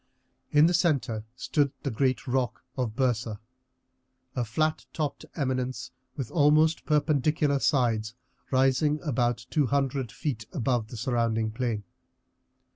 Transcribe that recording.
In the centre stood the great rock of Byrsa, a flat topped eminence with almost perpendicular sides rising about two hundred feet above the surrounding plain.